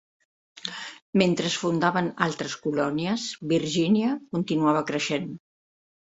Mentre es fundaven altres colònies, Virgínia continuava creixent.